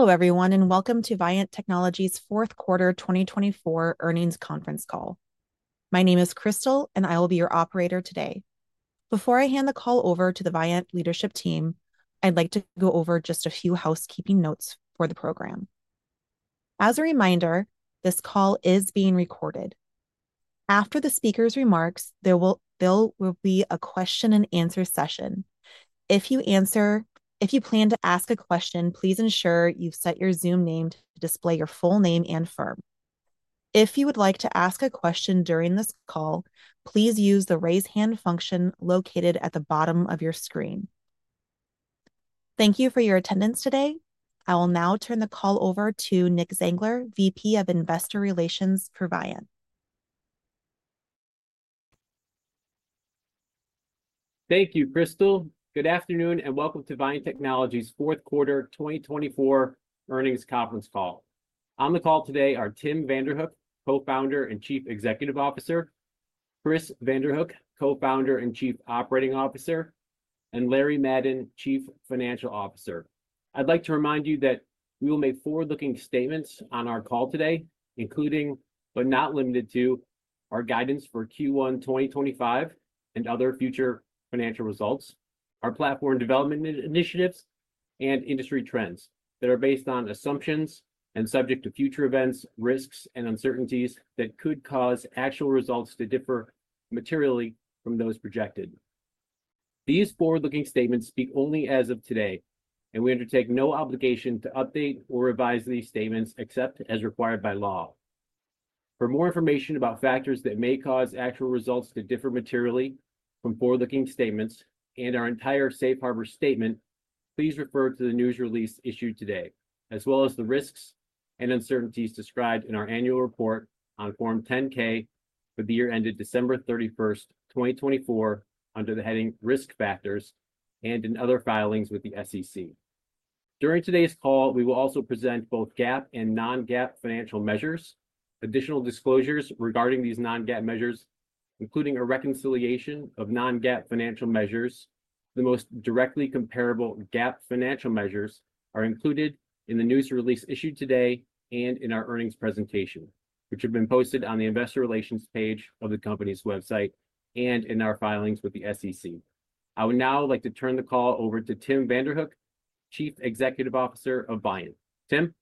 Hello everyone, and welcome to Viant Technology's Fourth Quarter 2024 Earnings Conference Call. My name is Crystal, and I will be your operator today. Before I hand the call over to the Viant leadership team, I'd like to go over just a few housekeeping notes for the program. As a reminder, this call is being recorded. After the speaker's remarks, there will be a question-and-answer session. If you plan to ask a question, please ensure you've set your Zoom name to display your full name and firm. If you would like to ask a question during this call, please use the raise hand function located at the bottom of your screen. Thank you for your attendance today. I will now turn the call over to Nick Zangler, VP of Investor Relations for Viant. Thank you, Crystal. Good afternoon, and welcome to Viant Technology's fourth quarter 2024 earnings conference call. On the call today are Tim Vanderhook, Co-founder and Chief Executive Officer; Chris Vanderhook, Co-founder and Chief Operating Officer; and Larry Madden, Chief Financial Officer. I'd like to remind you that we will make forward-looking statements on our call today, including, but not limited to, our guidance for Q1 2025 and other future financial results, our platform development initiatives, and industry trends that are based on assumptions and subject to future events, risks, and uncertainties that could cause actual results to differ materially from those projected. These forward-looking statements speak only as of today, and we undertake no obligation to update or revise these statements except as required by law. For more information about factors that may cause actual results to differ materially from forward-looking statements and our entire Safe Harbor statement, please refer to the news release issued today, as well as the risks and uncertainties described in our annual report on Form 10-K for the year ended December 31st, 2024, under the heading Risk Factors and in other filings with the SEC. During today's call, we will also present both GAAP and non-GAAP financial measures. Additional disclosures regarding these non-GAAP measures, including a reconciliation of non-GAAP financial measures to the most directly comparable GAAP financial measures, are included in the news release issued today and in our earnings presentation, which have been posted on the Investor Relations page of the company's website and in our filings with the SEC. I would now like to turn the call over to Tim Vanderhook, Chief Executive Officer of Viant. Tim.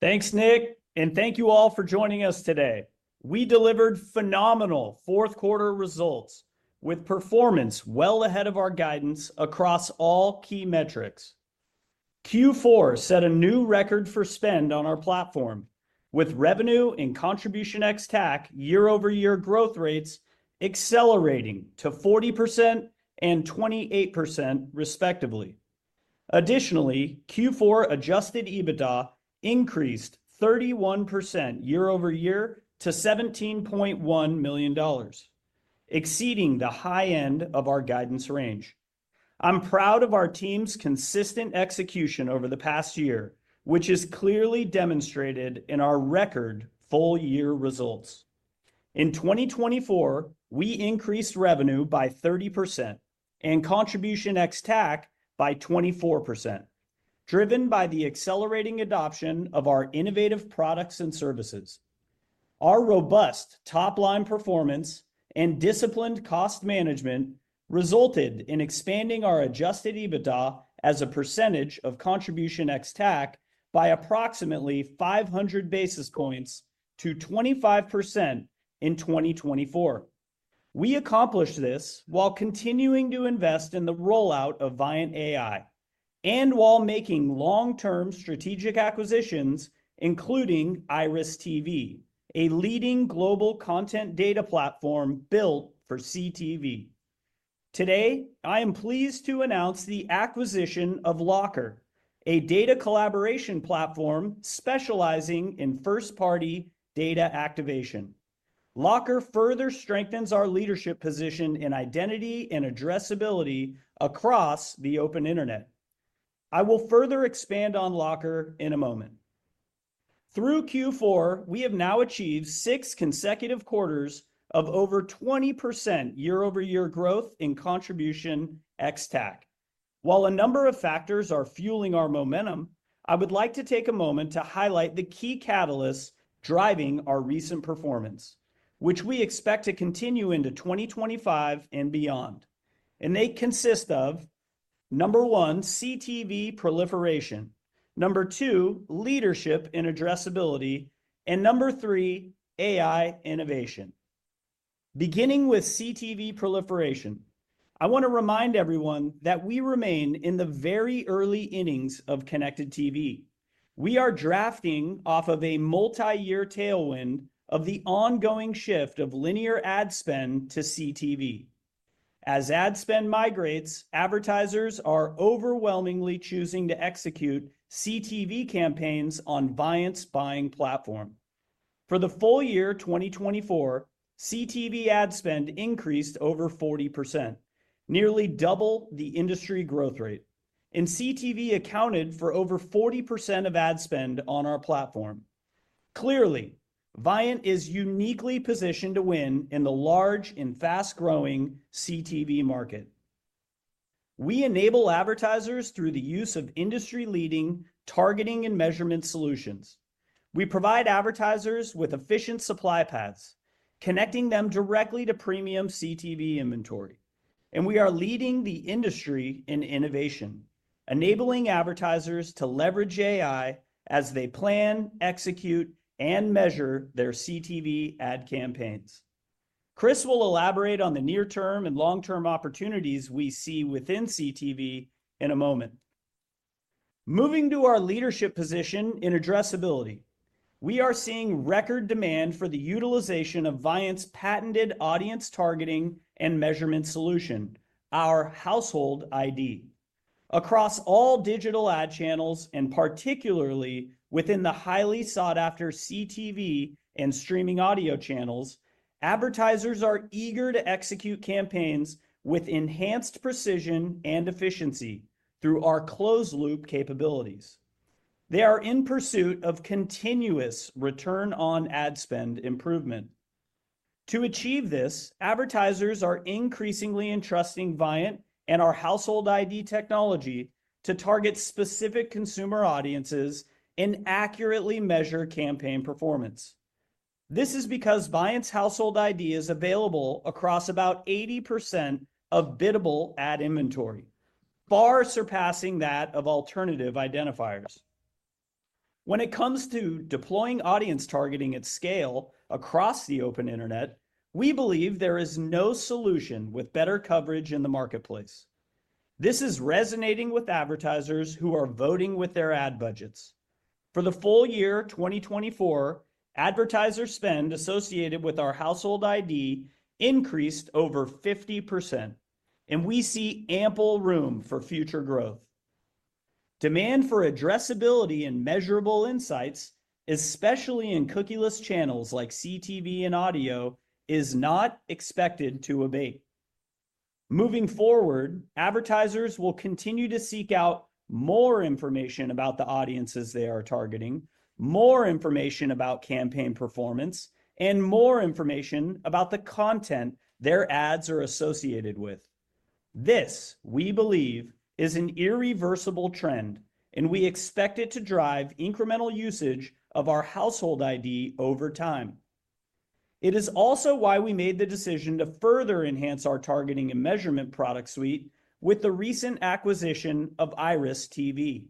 Thanks, Nick, and thank you all for joining us today. We delivered phenomenal fourth quarter results with performance well ahead of our guidance across all key metrics. Q4 set a new record for spend on our platform, with revenue and contribution ex-TAC year-over-year growth rates accelerating to 40% and 28%, respectively. Additionally, Q4 adjusted EBITDA increased 31% year-over-year to $17.1 million, exceeding the high end of our guidance range. I'm proud of our team's consistent execution over the past year, which is clearly demonstrated in our record full-year results. In 2024, we increased revenue by 30% and contribution ex-TAC by 24%, driven by the accelerating adoption of our innovative products and services. Our robust top-line performance and disciplined cost management resulted in expanding our adjusted EBITDA as a percentage of contribution ex-TAC by approximately 500 basis points to 25% in 2024. We accomplished this while continuing to invest in the rollout of ViantAI and while making long-term strategic acquisitions, including IRIS.TV, a leading global content data platform built for CTV. Today, I am pleased to announce the acquisition of Lockr, a data collaboration platform specializing in first-party data activation. Lockr further strengthens our leadership position in identity and addressability across the open internet. I will further expand on Lockr in a moment. Through Q4, we have now achieved six consecutive quarters of over 20% year-over-year growth in contribution ex-TAC. While a number of factors are fueling our momentum, I would like to take a moment to highlight the key catalysts driving our recent performance, which we expect to continue into 2025 and beyond. They consist of, number one, CTV proliferation; number two, leadership in addressability; and number three, AI innovation. Beginning with CTV proliferation, I want to remind everyone that we remain in the very early innings of connected TV. We are drafting off of a multi-year tailwind of the ongoing shift of linear ad spend to CTV. As ad spend migrates, advertisers are overwhelmingly choosing to execute CTV campaigns on Viant's buying platform. For the full year 2024, CTV ad spend increased over 40%, nearly double the industry growth rate, and CTV accounted for over 40% of ad spend on our platform. Clearly, Viant is uniquely positioned to win in the large and fast-growing CTV market. We enable advertisers through the use of industry-leading targeting and measurement solutions. We provide advertisers with efficient supply paths, connecting them directly to premium CTV inventory. We are leading the industry in innovation, enabling advertisers to leverage AI as they plan, execute, and measure their CTV ad campaigns. Chris will elaborate on the near-term and long-term opportunities we see within CTV in a moment. Moving to our leadership position in addressability, we are seeing record demand for the utilization of Viant's patented audience targeting and measurement solution, our Household ID. Across all digital ad channels, and particularly within the highly sought-after CTV and streaming audio channels, advertisers are eager to execute campaigns with enhanced precision and efficiency through our closed-loop capabilities. They are in pursuit of continuous return on ad spend improvement. To achieve this, advertisers are increasingly entrusting Viant and our Household ID technology to target specific consumer audiences and accurately measure campaign performance. This is because Viant's Household ID is available across about 80% of biddable ad inventory, far surpassing that of alternative identifiers. When it comes to deploying audience targeting at scale across the open internet, we believe there is no solution with better coverage in the marketplace. This is resonating with advertisers who are voting with their ad budgets. For the full year 2024, advertiser spend associated with our Household ID increased over 50%, and we see ample room for future growth. Demand for addressability and measurable insights, especially in cookieless channels like CTV and audio, is not expected to abate. Moving forward, advertisers will continue to seek out more information about the audiences they are targeting, more information about campaign performance, and more information about the content their ads are associated with. This, we believe, is an irreversible trend, and we expect it to drive incremental usage of our Household ID over time. It is also why we made the decision to further enhance our targeting and measurement product suite with the recent acquisition of IRIS.TV,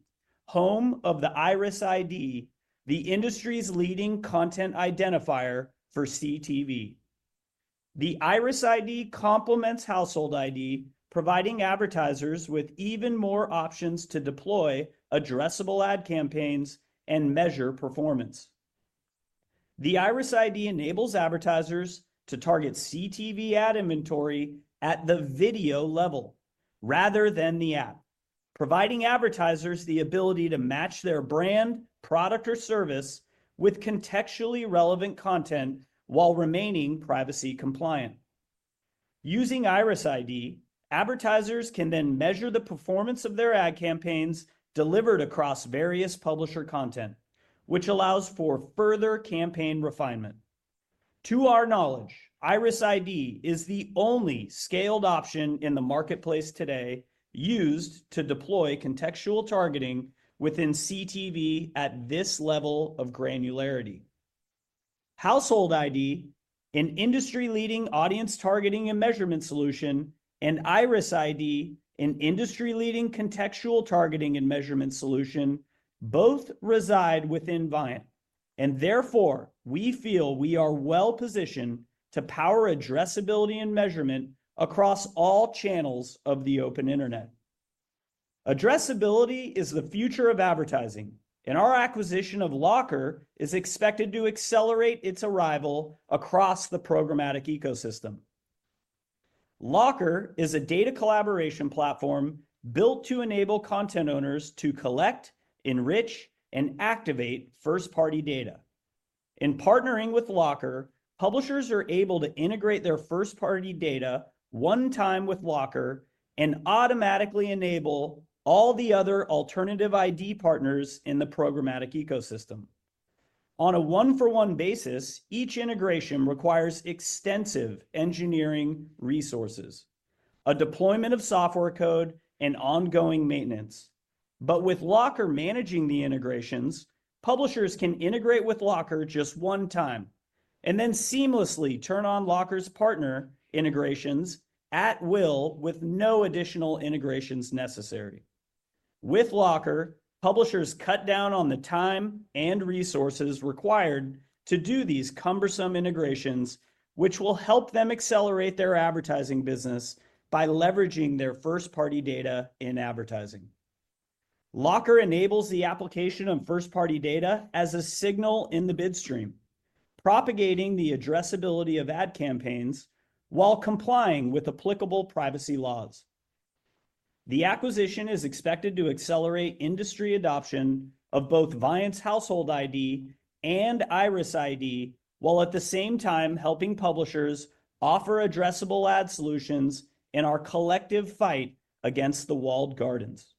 home of the IRIS_ID, the industry's leading content identifier for CTV. The IRIS_ID complements Household ID, providing advertisers with even more options to deploy addressable ad campaigns and measure performance. The IRIS_ID enables advertisers to target CTV ad inventory at the video level rather than the app, providing advertisers the ability to match their brand, product, or service with contextually relevant content while remaining privacy compliant. Using IRIS_ID, advertisers can then measure the performance of their ad campaigns delivered across various publisher content, which allows for further campaign refinement. To our knowledge, IRIS_ID is the only scaled option in the marketplace today used to deploy contextual targeting within CTV at this level of granularity. Household ID, an industry-leading audience targeting and measurement solution, and IRIS_ID, an industry-leading contextual targeting and measurement solution, both reside within Viant, and therefore we feel we are well-positioned to power addressability and measurement across all channels of the open internet. Addressability is the future of advertising, and our acquisition of Lockr is expected to accelerate its arrival across the programmatic ecosystem. Lockr is a data collaboration platform built to enable content owners to collect, enrich, and activate first-party data. In partnering with Lockr, publishers are able to integrate their first-party data one time with Lockr and automatically enable all the other alternative ID partners in the programmatic ecosystem. On a one-for-one basis, each integration requires extensive engineering resources, a deployment of software code, and ongoing maintenance. With Lockr managing the integrations, publishers can integrate with Lockr just one time and then seamlessly turn on Lockr's partner integrations at will with no additional integrations necessary. With Lockr, publishers cut down on the time and resources required to do these cumbersome integrations, which will help them accelerate their advertising business by leveraging their first-party data in advertising. Lockr enables the application of first-party data as a signal in the bid stream, propagating the addressability of ad campaigns while complying with applicable privacy laws. The acquisition is expected to accelerate industry adoption of both Viant's Household ID and IRIS_ID while at the same time helping publishers offer addressable ad solutions in our collective fight against the walled gardens.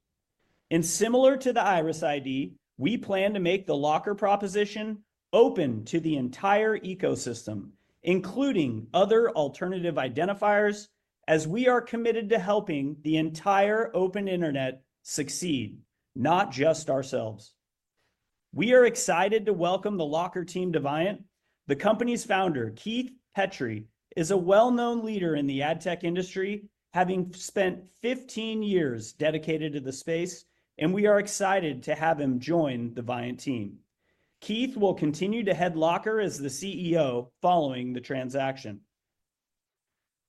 Similar to the IRIS_ID, we plan to make the Lockr proposition open to the entire ecosystem, including other alternative identifiers, as we are committed to helping the entire open internet succeed, not just ourselves. We are excited to welcome the Lockr team to Viant. The company's founder, Keith Petri, is a well-known leader in the ad tech industry, having spent 15 years dedicated to the space, and we are excited to have him join the Viant team. Keith will continue to head Lockr as the CEO following the transaction.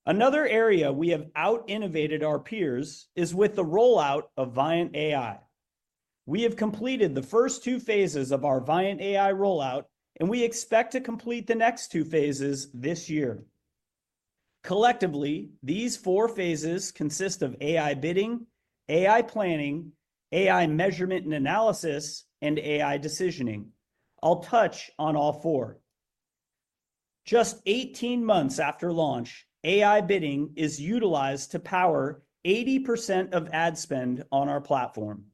Another area we have out-innovated our peers is with the rollout of ViantAI. We have completed the first two phases of our ViantAI rollout, and we expect to complete the next two phases this year. Collectively, these four phases consist of AI Bidding, AI Planning, AI Measurement and Analysis, and AI Decisioning. I'll touch on all four. Just 18 months after launch, AI Bidding is utilized to power 80% of ad spend on our platform.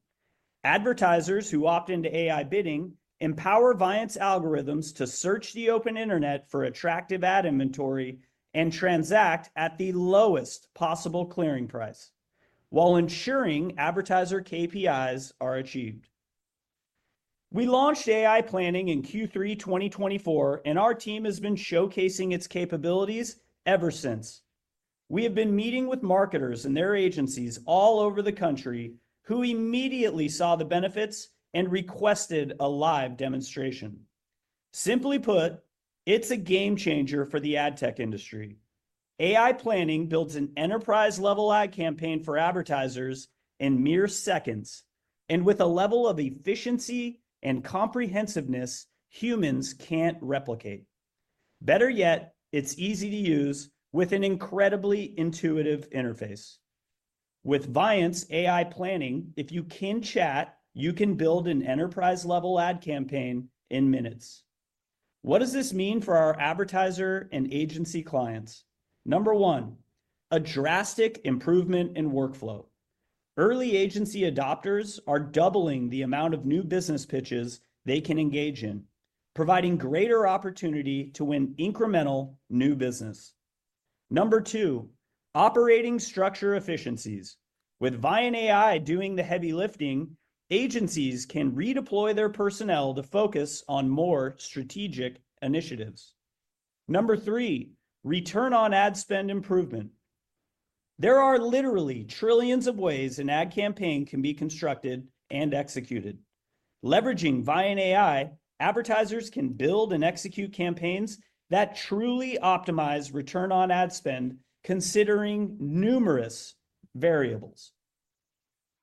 Advertisers who opt into AI Bidding empower Viant's algorithms to search the open internet for attractive ad inventory and transact at the lowest possible clearing price while ensuring advertiser KPIs are achieved. We launched AI Planning in Q3 2024, and our team has been showcasing its capabilities ever since. We have been meeting with marketers and their agencies all over the country who immediately saw the benefits and requested a live demonstration. Simply put, it is a game changer for the ad tech industry. AI Planning builds an enterprise-level ad campaign for advertisers in mere seconds and with a level of efficiency and comprehensiveness humans cannot replicate. Better yet, it is easy to use with an incredibly intuitive interface. With Viant's AI Planning, if you can chat, you can build an enterprise-level ad campaign in minutes. What does this mean for our advertiser and agency clients? Number one, a drastic improvement in workflow. Early agency adopters are doubling the amount of new business pitches they can engage in, providing greater opportunity to win incremental new business. Number two, operating structure efficiencies. With ViantAI doing the heavy lifting, agencies can redeploy their personnel to focus on more strategic initiatives. Number three, return on ad spend improvement. There are literally trillions of ways an ad campaign can be constructed and executed. Leveraging ViantAI, advertisers can build and execute campaigns that truly optimize return on ad spend, considering numerous variables.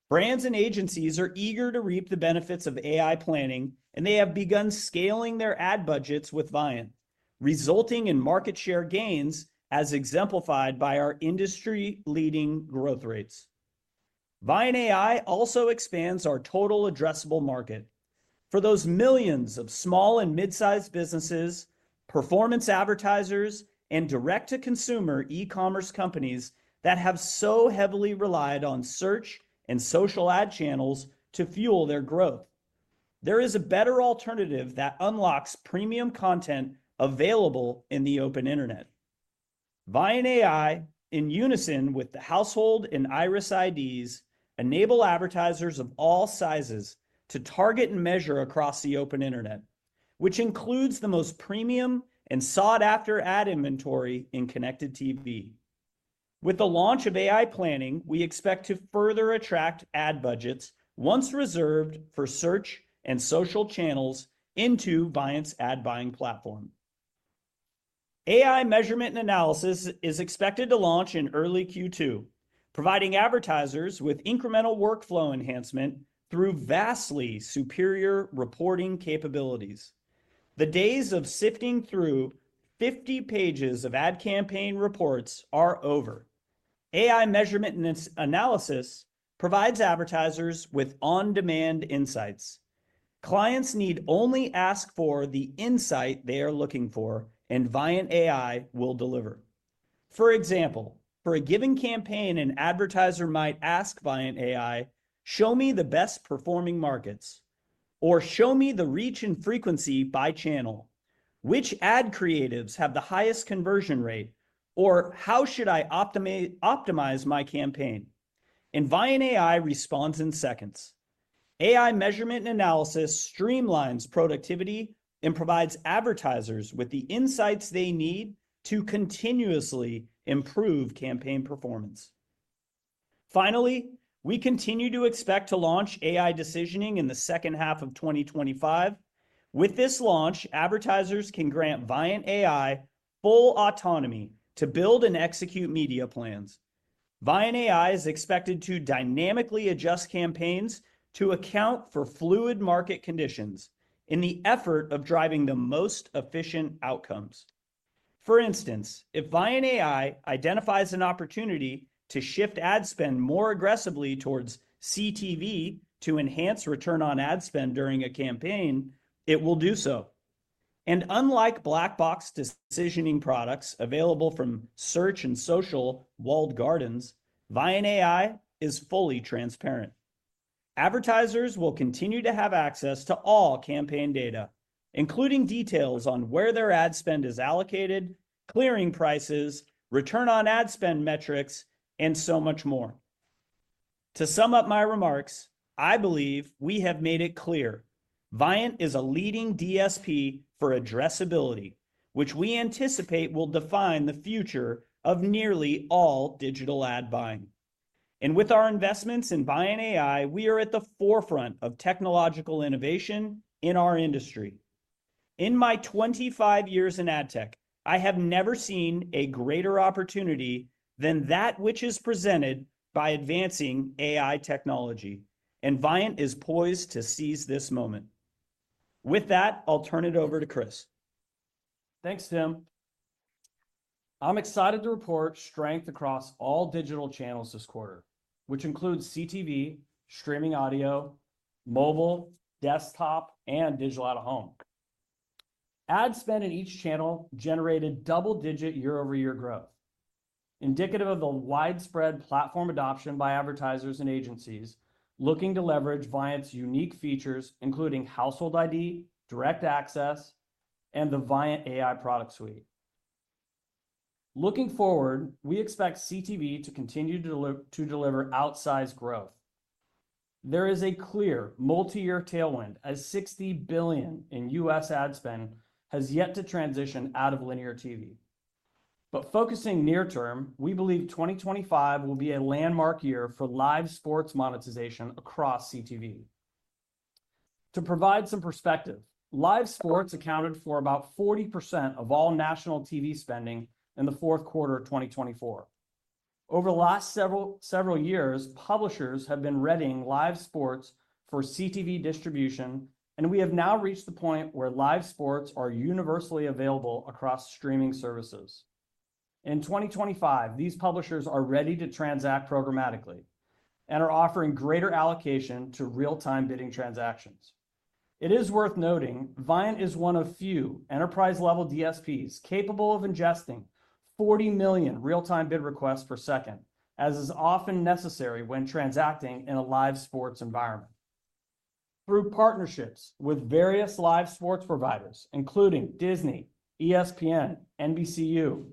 Brands and agencies are eager to reap the benefits of AI Planning, and they have begun scaling their ad budgets with Viant, resulting in market share gains as exemplified by our industry-leading growth rates. ViantAI also expands our total addressable market for those millions of small and mid-sized businesses, performance advertisers, and direct-to-consumer e-commerce companies that have so heavily relied on search and social ad channels to fuel their growth. There is a better alternative that unlocks premium content available in the open internet. ViantAI, in unison with the Household ID and IRIS_ID, enables advertisers of all sizes to target and measure across the open internet, which includes the most premium and sought-after ad inventory in Connected TV. With the launch of AI Planning, we expect to further attract ad budgets once reserved for search and social channels into Viant's ad buying platform. AI measurement and analysis is expected to launch in early Q2, providing advertisers with incremental workflow enhancement through vastly superior reporting capabilities. The days of sifting through 50 pages of ad campaign reports are over. AI measurement and analysis provides advertisers with on-demand insights. Clients need only ask for the insight they are looking for, and ViantAI will deliver. For example, for a given campaign, an advertiser might ask ViantAI, "Show me the best performing markets," or "Show me the reach and frequency by channel. Which ad creatives have the highest conversion rate," or "How should I optimize my campaign?" ViantAI responds in seconds. AI measurement and analysis streamlines productivity and provides advertisers with the insights they need to continuously improve campaign performance. Finally, we continue to expect to launch AI decisioning in the second half of 2025. With this launch, advertisers can grant ViantAI full autonomy to build and execute media plans. ViantAI is expected to dynamically adjust campaigns to account for fluid market conditions in the effort of driving the most efficient outcomes. For instance, if ViantAI identifies an opportunity to shift ad spend more aggressively towards CTV to enhance return on ad spend during a campaign, it will do so. Unlike black box decisioning products available from search and social walled gardens, ViantAI is fully transparent. Advertisers will continue to have access to all campaign data, including details on where their ad spend is allocated, clearing prices, return on ad spend metrics, and so much more. To sum up my remarks, I believe we have made it clear Viant is a leading DSP for addressability, which we anticipate will define the future of nearly all digital ad buying. With our investments in ViantAI, we are at the forefront of technological innovation in our industry. In my 25 years in ad tech, I have never seen a greater opportunity than that which is presented by advancing AI technology, and Viant is poised to seize this moment. With that, I'll turn it over to Chris. Thanks, Tim. I'm excited to report strength across all digital channels this quarter, which includes CTV, streaming audio, mobile, desktop, and digital out-of-home. Ad spend in each channel generated double-digit year-over-year growth, indicative of the widespread platform adoption by advertisers and agencies looking to leverage Viant's unique features, including Household ID, Direct Access, and the ViantAI product suite. Looking forward, we expect CTV to continue to deliver outsized growth. There is a clear multi-year tailwind as $60 billion in U.S. ad spend has yet to transition out of linear TV. Focusing near-term, we believe 2025 will be a landmark year for live sports monetization across CTV. To provide some perspective, live sports accounted for about 40% of all national TV spending in the fourth quarter of 2024. Over the last several years, publishers have been readying live sports for CTV distribution, and we have now reached the point where live sports are universally available across streaming services. In 2025, these publishers are ready to transact programmatically and are offering greater allocation to real-time bidding transactions. It is worth noting Viant is one of few enterprise-level DSPs capable of ingesting 40 million real-time bid requests per second, as is often necessary when transacting in a live sports environment. Through partnerships with various live sports providers, including Disney, ESPN, NBCU,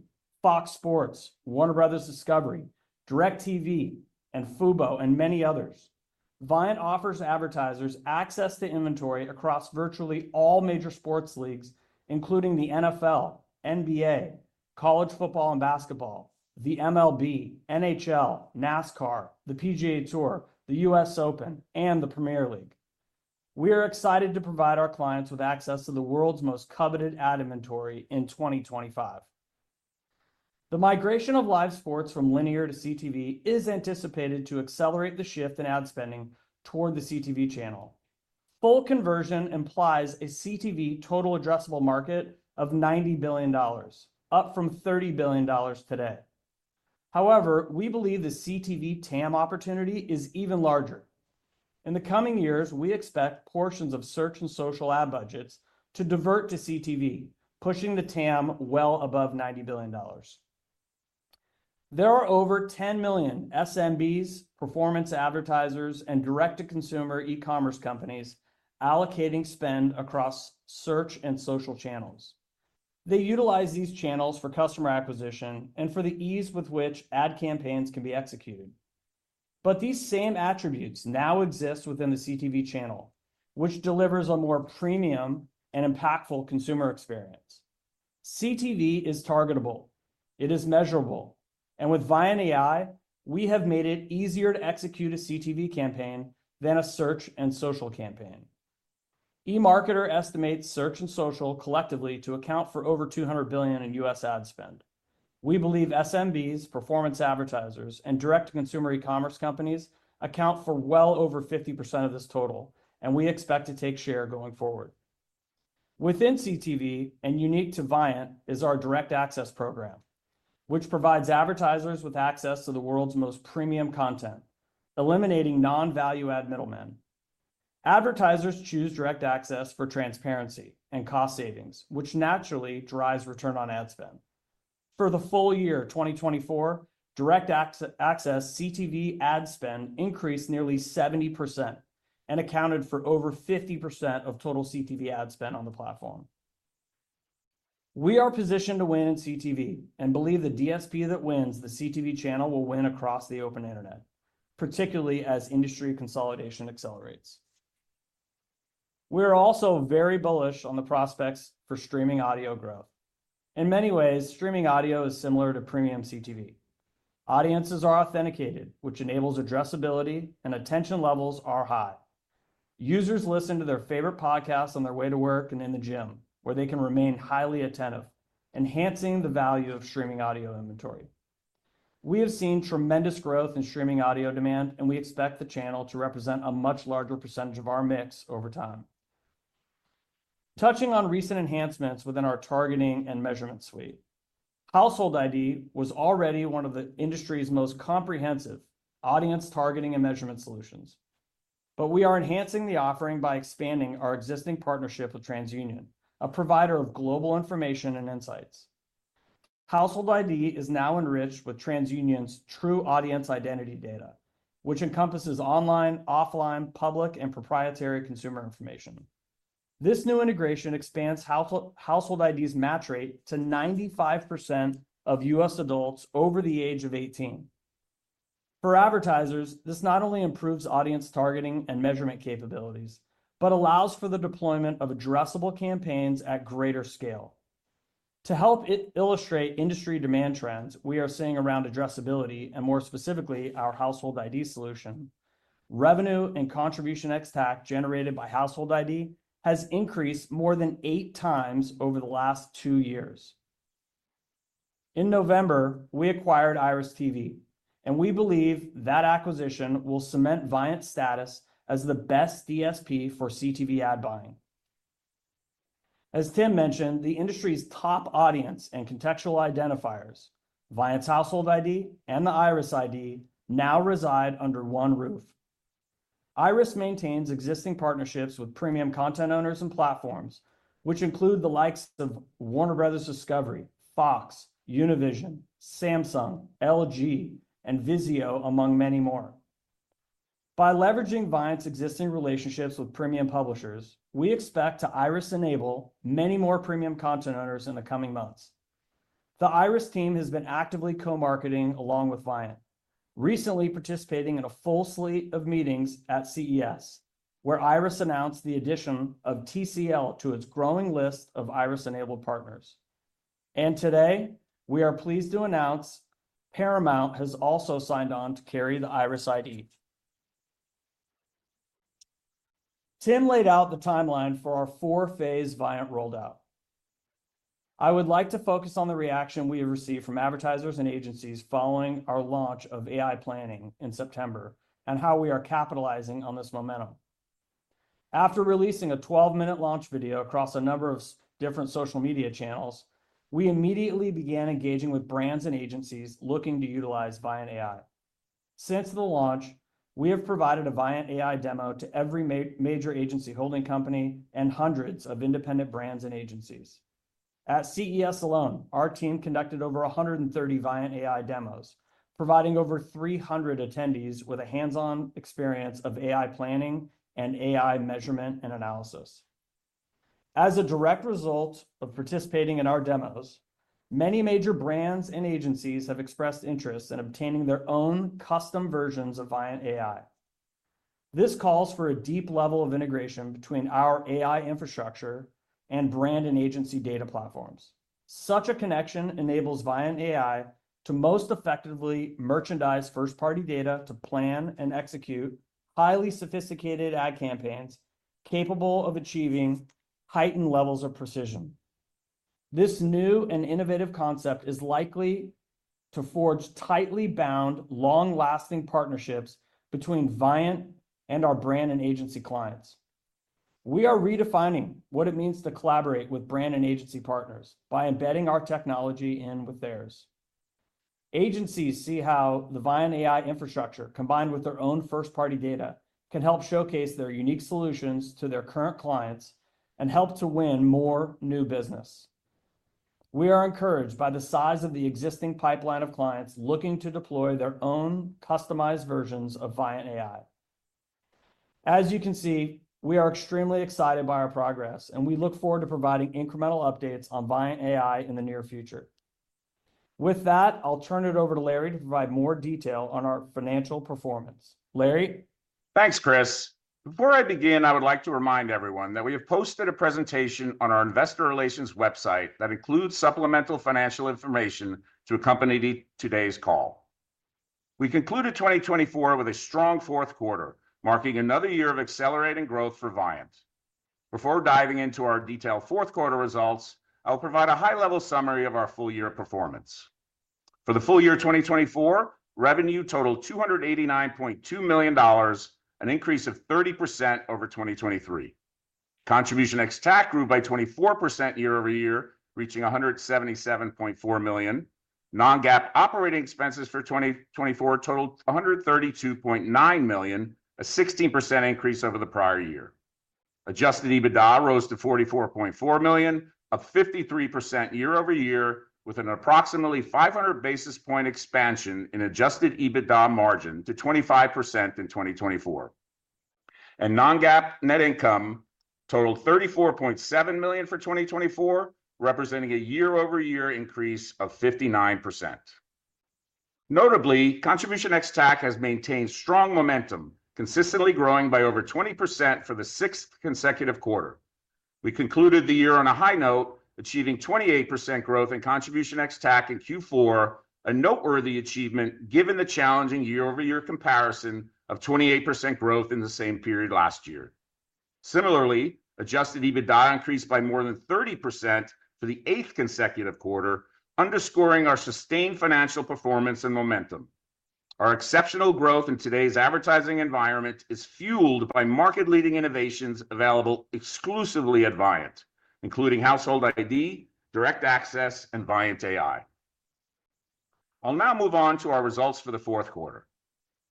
Fox Sports, Warner Bros. Discovery, DirecTV, and Fubo, and many others, Viant offers advertisers access to inventory across virtually all major sports leagues, including the NFL, NBA, college football and basketball, the MLB, NHL, NASCAR, the PGA Tour, the U.S. Open, and the Premier League. We are excited to provide our clients with access to the world's most coveted ad inventory in 2025. The migration of live sports from linear to CTV is anticipated to accelerate the shift in ad spending toward the CTV channel. Full conversion implies a CTV total addressable market of $90 billion, up from $30 billion today. However, we believe the CTV TAM opportunity is even larger. In the coming years, we expect portions of search and social ad budgets to divert to CTV, pushing the TAM well above $90 billion. There are over 10 million SMBs, performance advertisers, and direct-to-consumer e-commerce companies allocating spend across search and social channels. They utilize these channels for customer acquisition and for the ease with which ad campaigns can be executed. These same attributes now exist within the CTV channel, which delivers a more premium and impactful consumer experience. CTV is targetable. It is measurable. With ViantAI, we have made it easier to execute a CTV campaign than a search and social campaign. eMarketer estimates search and social collectively to account for over $200 billion in U.S. ad spend. We believe SMBs, performance advertisers, and direct-to-consumer e-commerce companies account for well over 50% of this total, and we expect to take share going forward. Within CTV and unique to Viant is our Direct Access program, which provides advertisers with access to the world's most premium content, eliminating non-value add middlemen. Advertisers choose Direct Access for transparency and cost savings, which naturally drives return on ad spend. For the full year 2024, Direct Access CTV ad spend increased nearly 70% and accounted for over 50% of total CTV ad spend on the platform. We are positioned to win in CTV and believe the DSP that wins the CTV channel will win across the open internet, particularly as industry consolidation accelerates. We are also very bullish on the prospects for streaming audio growth. In many ways, streaming audio is similar to premium CTV. Audiences are authenticated, which enables addressability, and attention levels are high. Users listen to their favorite podcasts on their way to work and in the gym, where they can remain highly attentive, enhancing the value of streaming audio inventory. We have seen tremendous growth in streaming audio demand, and we expect the channel to represent a much larger percentage of our mix over time. Touching on recent enhancements within our targeting and measurement suite, Household ID was already one of the industry's most comprehensive audience targeting and measurement solutions. We are enhancing the offering by expanding our existing partnership with TransUnion, a provider of global information and insights. Household ID is now enriched with TransUnion's true audience identity data, which encompasses online, offline, public, and proprietary consumer information. This new integration expands Household ID's match rate to 95% of U.S. adults over the age of 18. For advertisers, this not only improves audience targeting and measurement capabilities, but allows for the deployment of addressable campaigns at greater scale. To help illustrate industry demand trends, we are seeing around addressability and more specifically our Household ID solution. Revenue and contribution ex-TAC generated by Household ID has increased more than eight times over the last two years. In November, we acquired IRIS.TV, and we believe that acquisition will cement Viant's status as the best DSP for CTV ad buying. As Tim mentioned, the industry's top audience and contextual identifiers, Viant's Household ID and the IRIS_ID, now reside under one roof. IRIS maintains existing partnerships with premium content owners and platforms, which include the likes of Warner Bros. Discovery, Fox, Univision, Samsung, LG, and Vizio, among many more. By leveraging Viant's existing relationships with premium publishers, we expect to IRIS enable many more premium content owners in the coming months. The IRIS team has been actively co-marketing along with Viant, recently participating in a full slate of meetings at CES, where IRIS announced the addition of TCL to its growing list of IRIS-enabled partners. Today, we are pleased to announce Paramount has also signed on to carry the IRIS_ID. Tim laid out the timeline for our four-phase Viant rollout. I would like to focus on the reaction we have received from advertisers and agencies following our launch of AI Planning in September and how we are capitalizing on this momentum. After releasing a 12-minute launch video across a number of different social media channels, we immediately began engaging with brands and agencies looking to utilize ViantAI. Since the launch, we have provided a ViantAI demo to every major agency holding company and hundreds of independent brands and agencies. At CES alone, our team conducted over 130 ViantAI demos, providing over 300 attendees with a hands-on experience of AI Planning and AI Measurement and Analysis. As a direct result of participating in our demos, many major brands and agencies have expressed interest in obtaining their own custom versions of ViantAI. This calls for a deep level of integration between our AI infrastructure and brand and agency data platforms. Such a connection enables ViantAI to most effectively merchandise first-party data to plan and execute highly sophisticated ad campaigns capable of achieving heightened levels of precision. This new and innovative concept is likely to forge tightly bound, long-lasting partnerships between Viant and our brand and agency clients. We are redefining what it means to collaborate with brand and agency partners by embedding our technology in with theirs. Agencies see how the ViantAI infrastructure, combined with their own first-party data, can help showcase their unique solutions to their current clients and help to win more new business. We are encouraged by the size of the existing pipeline of clients looking to deploy their own customized versions of ViantAI. As you can see, we are extremely excited by our progress, and we look forward to providing incremental updates on ViantAI in the near future. With that, I'll turn it over to Larry to provide more detail on our financial performance. Larry? Thanks, Chris. Before I begin, I would like to remind everyone that we have posted a presentation on our investor relations website that includes supplemental financial information to accompany today's call. We concluded 2024 with a strong fourth quarter, marking another year of accelerating growth for Viant. Before diving into our detailed fourth quarter results, I'll provide a high-level summary of our full-year performance. For the full year 2024, revenue totaled $289.2 million, an increase of 30% over 2023. Contribution ex-TAC grew by 24% year-over-year, reaching $177.4 million. Non-GAAP operating expenses for 2024 totaled $132.9 million, a 16% increase over the prior year. Adjusted EBITDA rose to $44.4 million, a 53% year-over-year, with an approximately 500 basis point expansion in adjusted EBITDA margin to 25% in 2024. Non-GAAP net income totaled $34.7 million for 2024, representing a year-over-year increase of 59%. Notably, contribution ex-TAC has maintained strong momentum, consistently growing by over 20% for the sixth consecutive quarter. We concluded the year on a high note, achieving 28% growth in contribution ex-TAC in Q4, a noteworthy achievement given the challenging year-over-year comparison of 28% growth in the same period last year. Similarly, adjusted EBITDA increased by more than 30% for the eighth consecutive quarter, underscoring our sustained financial performance and momentum. Our exceptional growth in today's advertising environment is fueled by market-leading innovations available exclusively at Viant, including Household ID, Direct Access, and ViantAI. I'll now move on to our results for the fourth quarter.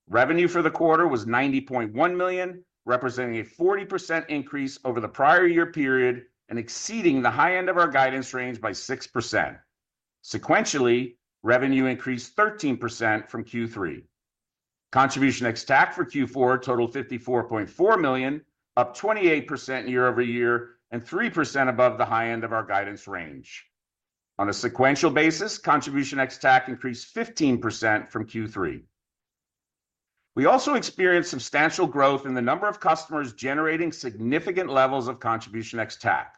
Revenue for the quarter was $90.1 million, representing a 40% increase over the prior year period and exceeding the high end of our guidance range by 6%. Sequentially, revenue increased 13% from Q3. Contribution ex-TAC for Q4 totaled $54.4 million, up 28% year-over-year and 3% above the high end of our guidance range. On a sequential basis, contribution ex-TAC increased 15% from Q3. We also experienced substantial growth in the number of customers generating significant levels of contribution ex-TAC.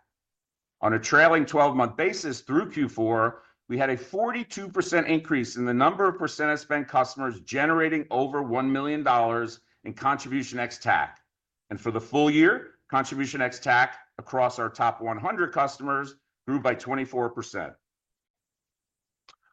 On a trailing 12-month basis through Q4, we had a 42% increase in the number of percentage spend customers generating over $1 million in contribution ex-TAC. For the full year, contribution ex-TAC across our top 100 customers grew by 24%.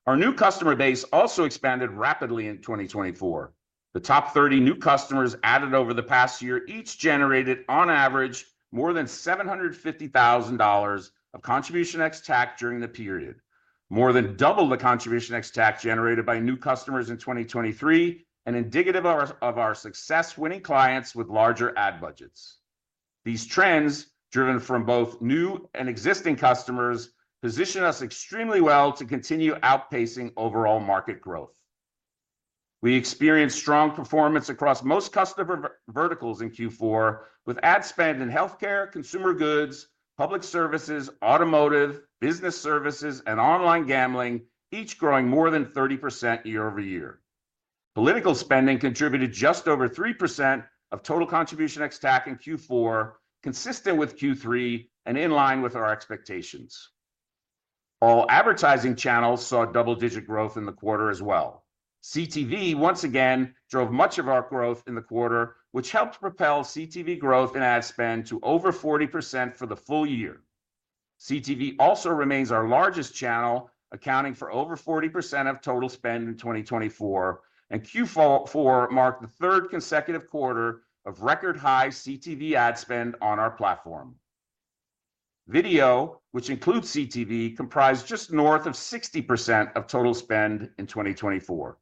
Our new customer base also expanded rapidly in 2024. The top 30 new customers added over the past year each generated, on average, more than $750,000 of contribution ex-TAC during the period, more than double the contribution ex-TAC generated by new customers in 2023, an indicative of our success winning clients with larger ad budgets. These trends, driven from both new and existing customers, position us extremely well to continue outpacing overall market growth. We experienced strong performance across most customer verticals in Q4, with ad spend in healthcare, consumer goods, public services, automotive, business services, and online gambling each growing more than 30% year-over-year. Political spending contributed just over 3% of total contribution ex-TAC in Q4, consistent with Q3 and in line with our expectations. All advertising channels saw double-digit growth in the quarter as well. CTV once again drove much of our growth in the quarter, which helped propel CTV growth in ad spend to over 40% for the full year. CTV also remains our largest channel, accounting for over 40% of total spend in 2024, and Q4 marked the third consecutive quarter of record-high CTV ad spend on our platform. Video, which includes CTV, comprised just north of 60% of total spend in 2024.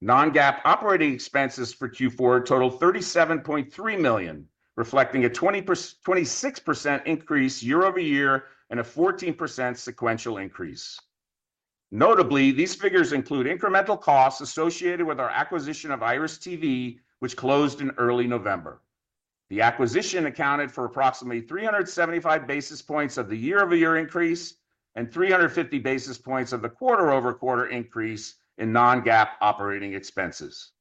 Non-GAAP operating expenses for Q4 totaled $37.3 million, reflecting a 26% increase year-over-year and a 14% sequential increase. Notably, these figures include incremental costs associated with our acquisition of IRIS.TV, which closed in early November. The acquisition accounted for approximately 375 basis points of the year-over-year increase and 350 basis points of the quarter-over-quarter increase in non-GAAP operating expenses.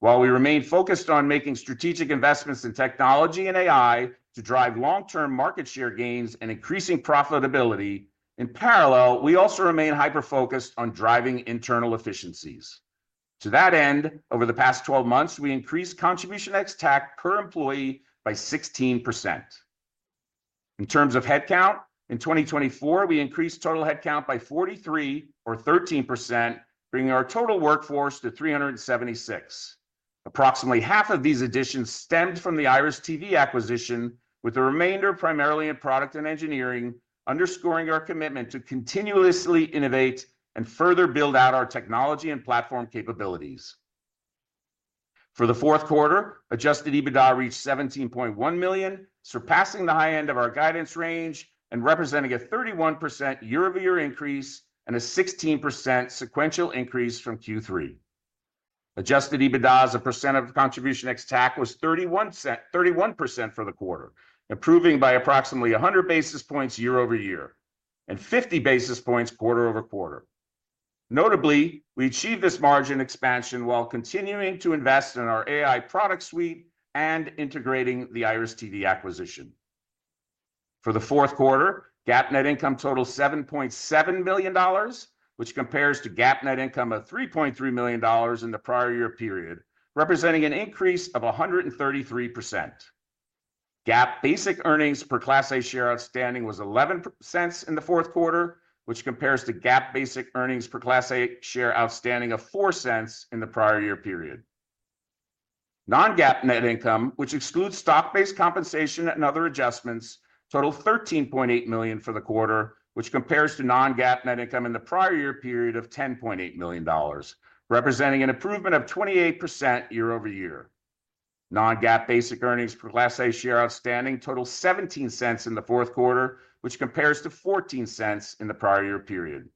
While we remain focused on making strategic investments in technology and AI to drive long-term market share gains and increasing profitability, in parallel, we also remain hyper-focused on driving internal efficiencies. To that end, over the past 12 months, we increased contribution ex-TAC per employee by 16%. In terms of headcount, in 2024, we increased total headcount by 43, or 13%, bringing our total workforce to 376. Approximately half of these additions stemmed from the IRIS.TV acquisition, with the remainder primarily in product and engineering, underscoring our commitment to continuously innovate and further build out our technology and platform capabilities. For the fourth quarter, adjusted EBITDA reached $17.1 million, surpassing the high end of our guidance range and representing a 31% year-over-year increase and a 16% sequential increase from Q3. Adjusted EBITDA as a percent of contribution ex-TAC was 31% for the quarter, improving by approximately 100 basis points year-over-year and 50 basis points quarter-over-quarter. Notably, we achieved this margin expansion while continuing to invest in our AI product suite and integrating the IRIS.TV acquisition. For the fourth quarter, GAAP net income totaled $7.7 million, which compares to GAAP net income of $3.3 million in the prior year period, representing an increase of 133%. GAAP basic earnings per Class A share outstanding was $0.11 in the fourth quarter, which compares to GAAP basic earnings per Class A share outstanding of $0.04 in the prior year period. Non-GAAP net income, which excludes stock-based compensation and other adjustments, totaled $13.8 million for the quarter, which compares to non-GAAP net income in the prior year period of $10.8 million, representing an improvement of 28% year-over-year. Non-GAAP basic earnings per Class A share outstanding totaled $0.17 in the fourth quarter, which compares to $0.14 in the prior year period.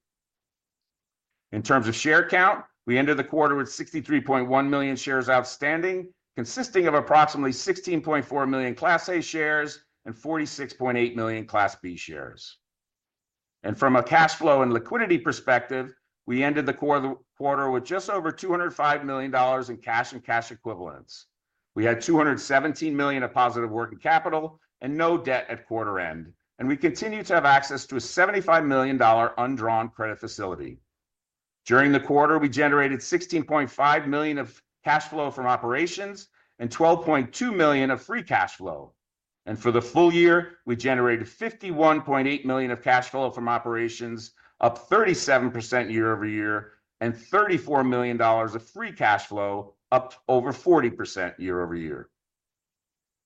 In terms of share count, we ended the quarter with 63.1 million shares outstanding, consisting of approximately 16.4 million Class A shares and 46.8 million Class B shares. From a cash flow and liquidity perspective, we ended the quarter with just over $205 million in cash and cash equivalents. We had $217 million of positive working capital and no debt at quarter end, and we continue to have access to a $75 million undrawn credit facility. During the quarter, we generated $16.5 million of cash flow from operations and $12.2 million of free cash flow. For the full year, we generated $51.8 million of cash flow from operations, up 37% year-over-year, and $34 million of free cash flow, up over 40% year-over-year.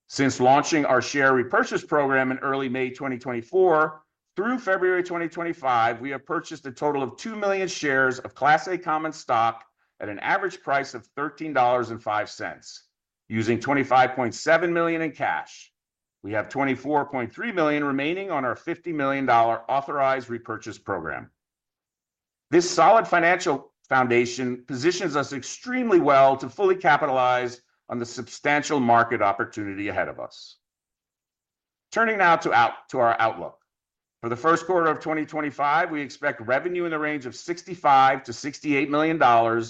Since launching our share repurchase program in early May 2024, through February 2025, we have purchased a total of 2 million shares of Class A common stock at an average price of $13.05, using $25.7 million in cash. We have $24.3 million remaining on our $50 million authorized repurchase program. This solid financial foundation positions us extremely well to fully capitalize on the substantial market opportunity ahead of us. Turning now to our outlook. For the first quarter of 2025, we expect revenue in the range of $65 million-$68 million,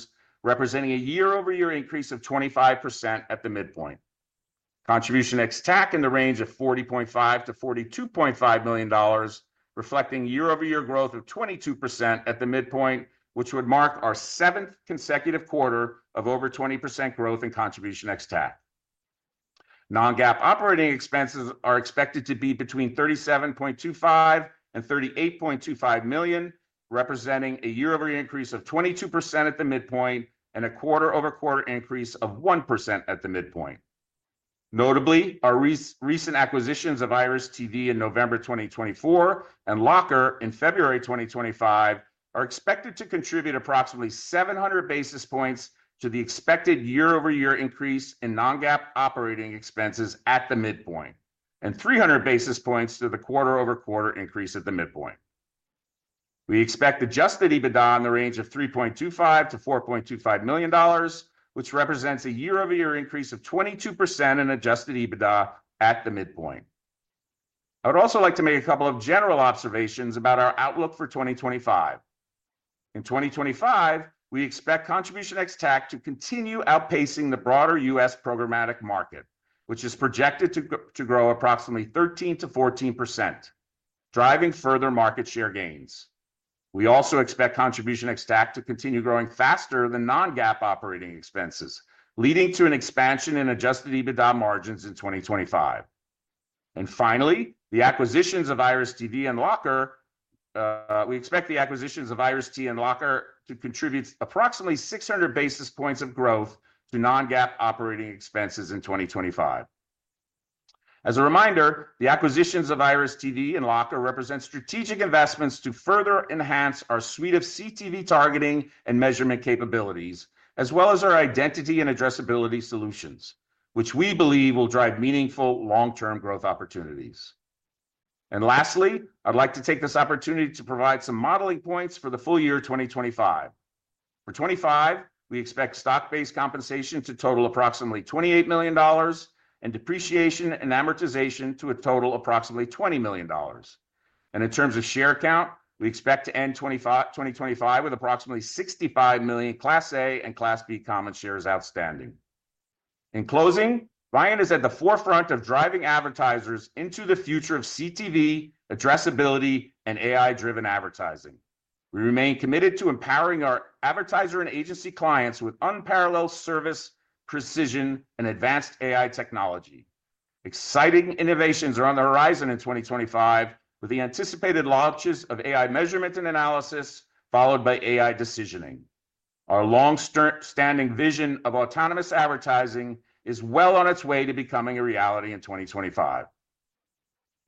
representing a year-over-year increase of 25% at the midpoint. Contribution ex-TAC in the range of $40.5 million-$42.5 million, reflecting year-over-year growth of 22% at the midpoint, which would mark our seventh consecutive quarter of over 20% growth in contribution ex-TAC. Non-GAAP operating expenses are expected to be between $37.25 million and $38.25 million, representing a year-over-year increase of 22% at the midpoint and a quarter-over-quarter increase of 1% at the midpoint. Notably, our recent acquisitions of IRIS.TV in November 2024 and Lockr in February 2025 are expected to contribute approximately 700 basis points to the expected year-over-year increase in non-GAAP operating expenses at the midpoint, and 300 basis points to the quarter-over-quarter increase at the midpoint. We expect adjusted EBITDA in the range of $3.25 million-$4.25 million, which represents a year-over-year increase of 22% in adjusted EBITDA at the midpoint. I would also like to make a couple of general observations about our outlook for 2025. In 2025, we expect contribution ex-TAC to continue outpacing the broader U.S. programmatic market, which is projected to grow approximately 13% to 14%, driving further market share gains. We also expect contribution ex-TAC to continue growing faster than non-GAAP operating expenses, leading to an expansion in adjusted EBITDA margins in 2025. Finally, the acquisitions of IRIS.TV and Lockr, we expect the acquisitions of IRIS.TV and Lockr to contribute approximately 600 basis points of growth to non-GAAP operating expenses in 2025. As a reminder, the acquisitions of IRIS.TV and Lockr represent strategic investments to further enhance our suite of CTV targeting and measurement capabilities, as well as our identity and addressability solutions, which we believe will drive meaningful long-term growth opportunities. Lastly, I'd like to take this opportunity to provide some modeling points for the full year 2025. For 2025, we expect stock-based compensation to total approximately $28 million and depreciation and amortization to a total of approximately $20 million. In terms of share count, we expect to end 2025 with approximately 65 million Class A and Class B common shares outstanding. In closing, Viant is at the forefront of driving advertisers into the future of CTV, addressability, and AI-driven advertising. We remain committed to empowering our advertiser and agency clients with unparalleled service, precision, and advanced AI technology. Exciting innovations are on the horizon in 2025, with the anticipated launches of AI measurement and analysis followed by AI decisioning. Our long-standing vision of autonomous advertising is well on its way to becoming a reality in 2025.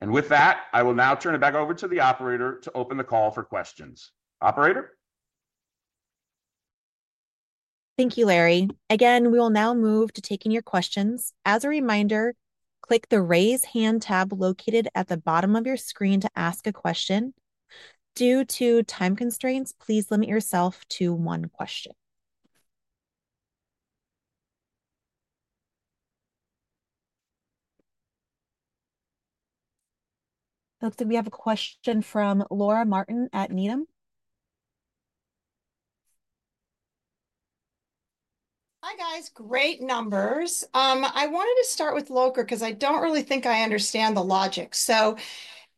I will now turn it back over to the operator to open the call for questions. Operator? Thank you, Larry. We will now move to taking your questions. As a reminder, click the Raise Hand tab located at the bottom of your screen to ask a question. Due to time constraints, please limit yourself to one question. Looks like we have a question from Laura Martin at Needham. Hi guys, great numbers. I wanted to start with Lockr because I don't really think I understand the logic.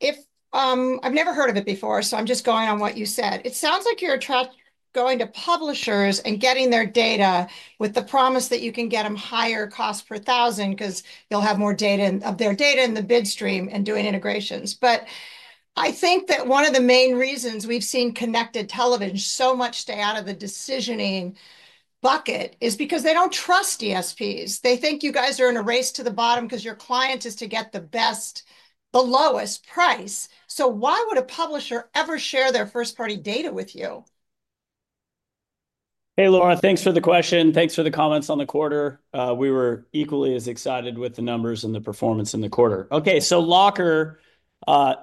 If I've never heard of it before, so I'm just going on what you said. It sounds like you're attracting, going to publishers and getting their data with the promise that you can get them higher cost per thousand because you'll have more data of their data in the bid stream and doing integrations. I think that one of the main reasons we've seen connected television so much stay out of the decisioning bucket is because they don't trust DSPs. They think you guys are in a race to the bottom because your client is to get the best, the lowest price. Why would a publisher ever share their first-party data with you? Hey, Laura, thanks for the question. Thanks for the comments on the quarter. We were equally as excited with the numbers and the performance in the quarter. Okay, Lockr,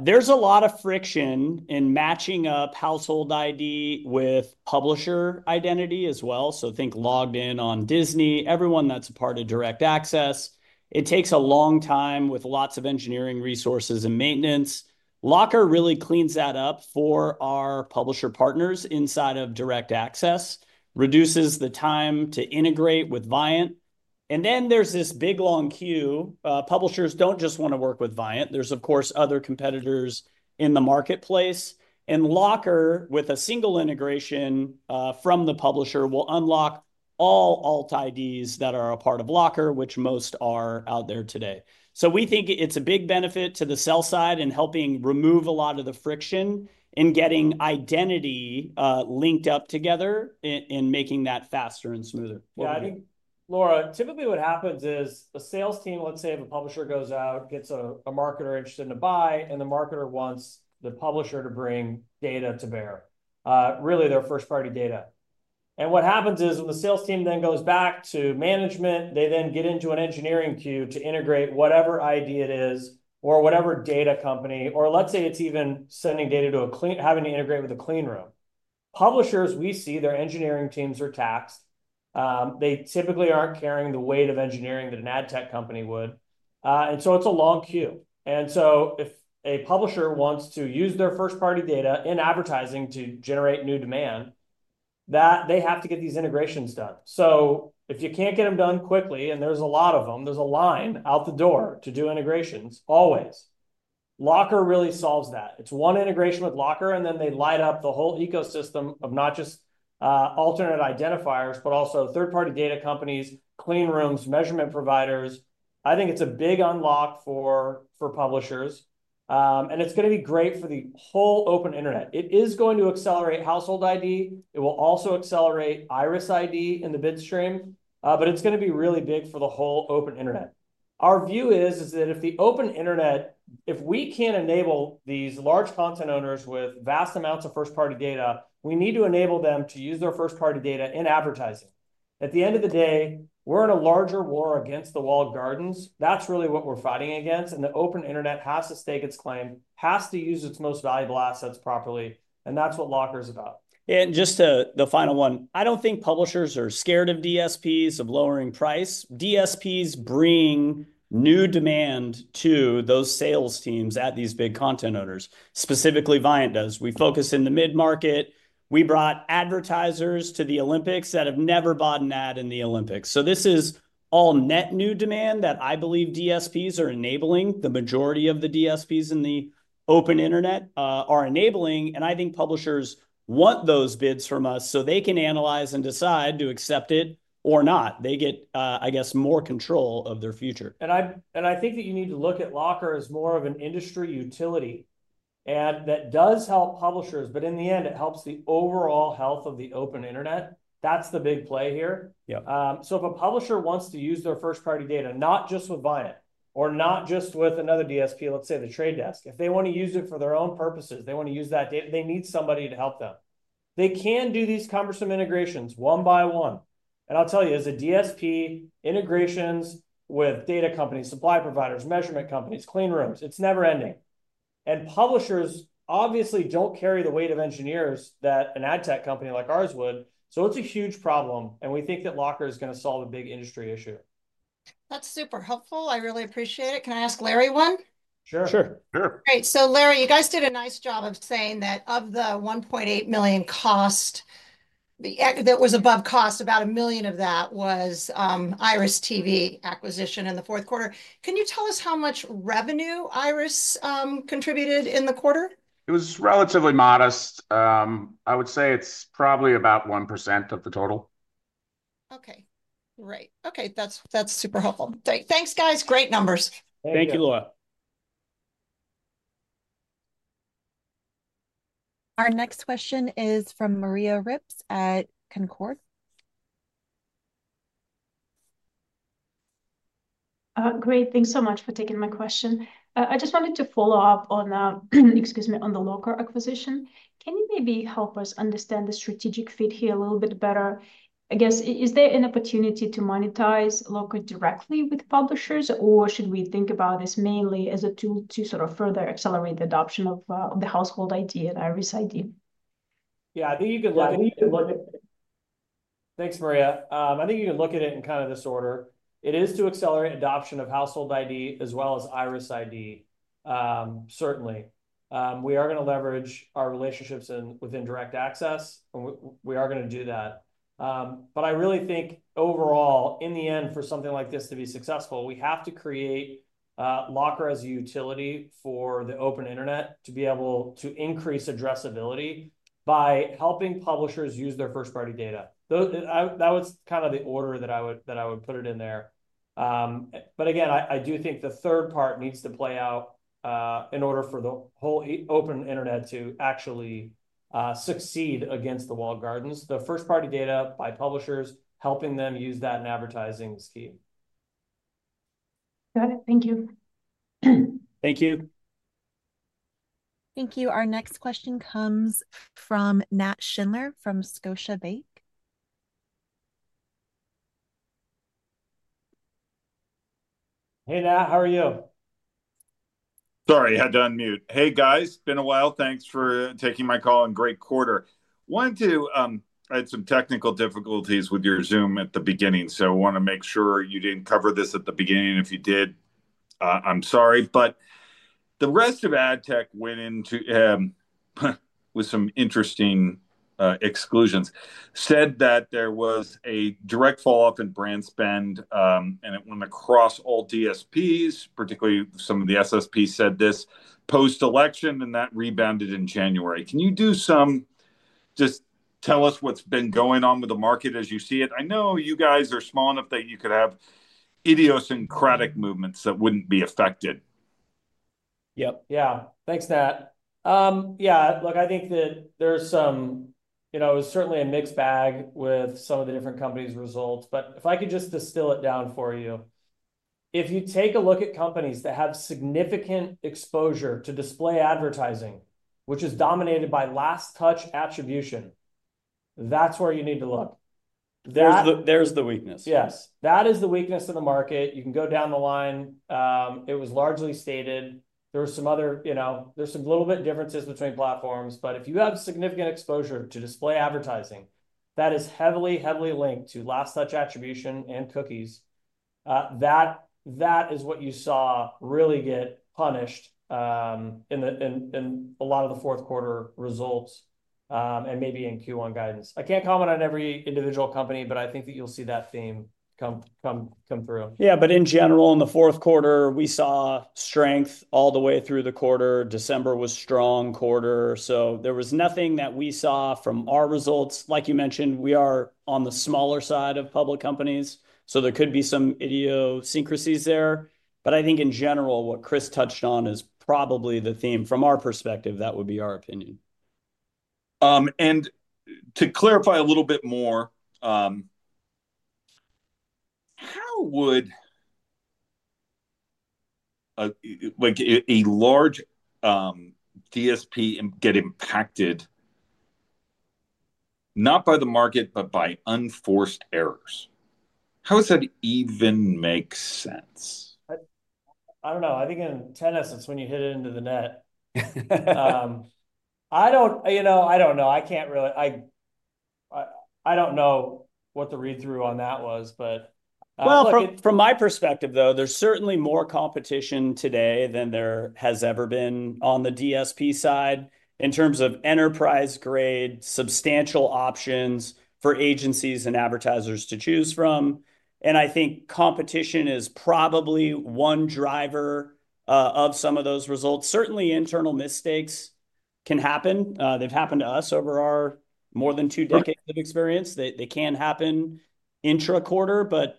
there's a lot of friction in matching up Household ID with publisher identity as well. Think logged in on Disney, everyone that's a part of Direct Access. It takes a long time with lots of engineering resources and maintenance. Lockr really cleans that up for our publisher partners inside of Direct Access, reduces the time to integrate with Viant. Then there's this big long queue. Publishers do not just want to work with Viant. There are, of course, other competitors in the marketplace. Lockr, with a single integration from the publisher, will unlock all alt IDs that are a part of Lockr, which most are out there today. We think it's a big benefit to the sell side in helping remove a lot of the friction in getting identity linked up together and making that faster and smoother. Yeah, I think, Laura, typically what happens is a sales team, let's say if a publisher goes out, gets a marketer interested in a buy, and the marketer wants the publisher to bring data to bear, really their first-party data. What happens is when the sales team then goes back to management, they then get into an engineering queue to integrate whatever ID it is or whatever data company, or let's say it's even sending data to a clean, having to integrate with a clean room. Publishers, we see their engineering teams are taxed. They typically aren't carrying the weight of engineering that an ad tech company would. It is a long queue. If a publisher wants to use their first-party data in advertising to generate new demand, they have to get these integrations done. If you can't get them done quickly, and there are a lot of them, there is a line out the door to do integrations always. Lockr really solves that. It is one integration with Lockr, and then they light up the whole ecosystem of not just alternate identifiers, but also third-party data companies, clean rooms, measurement providers. I think it is a big unlock for publishers. It is going to be great for the whole open internet. It is going to accelerate Household ID. It will also accelerate IRIS_ID in the bid stream. It is going to be really big for the whole open internet. Our view is that if the open internet, if we cannot enable these large content owners with vast amounts of first-party data, we need to enable them to use their first-party data in advertising. At the end of the day, we are in a larger war against the walled gardens. That is really what we are fighting against. The open internet has to stake its claim, has to use its most valuable assets properly. That is what Lockr is about. Just the final one, I do not think publishers are scared of DSPs lowering price. DSPs bring new demand to those sales teams at these big content owners, specifically Viant does. We focus in the mid-market. We brought advertisers to the Olympics that have never bought an ad in the Olympics. This is all net new demand that I believe DSPs are enabling. The majority of the DSPs in the open internet are enabling. I think publishers want those bids from us so they can analyze and decide to accept it or not. They get, I guess, more control of their future. I think that you need to look at Lockr as more of an industry utility ad that does help publishers. In the end, it helps the overall health of the open internet. That's the big play here. If a publisher wants to use their first-party data, not just with Viant or not just with another DSP, let's say the Trade Desk, if they want to use it for their own purposes, they want to use that data, they need somebody to help them. They can do these cumbersome integrations one by one. I'll tell you, as a DSP, integrations with data companies, supply providers, measurement companies, clean rooms, it's never-ending. Publishers obviously don't carry the weight of engineers that an ad tech company like ours would. It's a huge problem. We think that Lockr is going to solve a big industry issue. That's super helpful. I really appreciate it. Can I ask Larry one? Sure. Sure. All right. Larry, you guys did a nice job of saying that of the $1.8 million cost that was above cost, about $1 million of that was IRIS.TV acquisition in the fourth quarter. Can you tell us how much revenue IRIS.TV contributed in the quarter? It was relatively modest. I would say it's probably about 1% of the total. Okay. Right. Okay. That's super helpful. Thanks, guys. Great numbers. Thank you, Laura. Our next question is from Maria Ripps at Canaccord. Great. Thanks so much for taking my question. I just wanted to follow up on, excuse me, on the Lockr acquisition. Can you maybe help us understand the strategic fit here a little bit better? I guess, is there an opportunity to monetize Lockr directly with publishers, or should we think about this mainly as a tool to sort of further accelerate the adoption of the Household ID and IRIS_ID? Yeah, I think you could look at it. Thanks, Maria. I think you can look at it in kind of this order. It is to accelerate adoption of Household ID as well as IRIS_ID, certainly. We are going to leverage our relationships within Direct Access, and we are going to do that. I really think overall, in the end, for something like this to be successful, we have to create Lockr as a utility for the open internet to be able to increase addressability by helping publishers use their first-party data. That was kind of the order that I would put it in there. I do think the third part needs to play out in order for the whole open internet to actually succeed against the walled gardens. The first-party data by publishers, helping them use that in advertising is key. Got it. Thank you. Thank you. Thank you. Our next question comes from Nat Schindler from Scotiabank. Hey, Nat, how are you? Sorry, had to unmute. Hey, guys, been a while. Thanks for taking my call and great quarter. I had some technical difficulties with your Zoom at the beginning, so I want to make sure you didn't cover this at the beginning. If you did, I'm sorry. The rest of ad tech went in with some interesting exclusions, said that there was a direct falloff in brand spend, and it went across all DSPs, particularly some of the SSPs said this post-election, and that rebounded in January. Can you just tell us what's been going on with the market as you see it? I know you guys are small enough that you could have idiosyncratic movements that wouldn't be affected. Yep. Yeah. Thanks, Nat. Yeah. Look, I think that there's some, it was certainly a mixed bag with some of the different companies' results. If I could just distill it down for you, if you take a look at companies that have significant exposure to display advertising, which is dominated by last touch attribution, that's where you need to look. There's the weakness. Yes. That is the weakness of the market. You can go down the line. It was largely stated. There were some other, there's some little bit differences between platforms. If you have significant exposure to display advertising, that is heavily, heavily linked to last touch attribution and cookies. That is what you saw really get punished in a lot of the fourth quarter results and maybe in Q1 guidance. I can't comment on every individual company, but I think that you'll see that theme come through. Yeah. In general, in the fourth quarter, we saw strength all the way through the quarter. December was a strong quarter. There was nothing that we saw from our results. Like you mentioned, we are on the smaller side of public companies. There could be some idiosyncrasies there. I think in general, what Chris touched on is probably the theme from our perspective. That would be our opinion. To clarify a little bit more, how would a large DSP get impacted, not by the market, but by unforced errors? How does that even make sense? I don't know. I think in a tennis sense, when you hit it into the net, I don't know. I can't really, I don't know what the read-through on that was. From my perspective, though, there is certainly more competition today than there has ever been on the DSP side in terms of enterprise-grade substantial options for agencies and advertisers to choose from. I think competition is probably one driver of some of those results. Certainly, internal mistakes can happen. They've happened to us over our more than two decades of experience. They can happen intra-quarter.